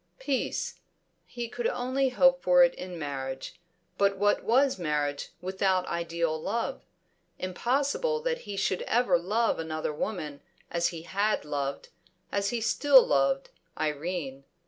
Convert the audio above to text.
Peace! He could only hope for it in marriage; but what was marriage without ideal love? Impossible that he should ever love another woman as he had loved, as he still loved, Irene.